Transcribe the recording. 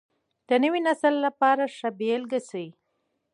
د نوي نسل لپاره ښه بېلګه شئ.